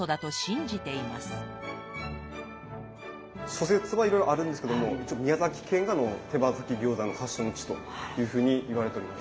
諸説はいろいろあるんですけども一応宮崎県が手羽先餃子の発祥の地というふうに言われております。